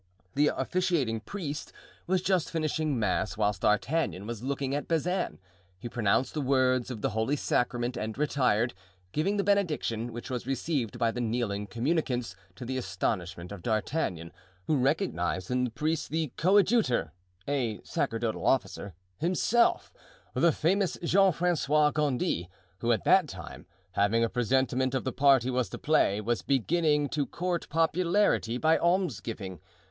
The officiating priest was just finishing mass whilst D'Artagnan was looking at Bazin; he pronounced the words of the holy Sacrament and retired, giving the benediction, which was received by the kneeling communicants, to the astonishment of D'Artagnan, who recognized in the priest the coadjutor* himself, the famous Jean Francois Gondy, who at that time, having a presentiment of the part he was to play, was beginning to court popularity by almsgiving.